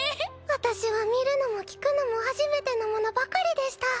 私は見るのも聞くのも初めてのものばかりでした。